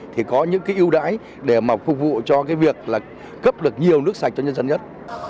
thì có những cái ưu đãi để mà phục vụ cho cái việc là cấp được nhiều nước sạch cho nhân dân nhất